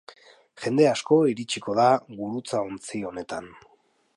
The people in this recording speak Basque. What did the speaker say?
Jende asko iritsiko da gurutzaontzi honetan.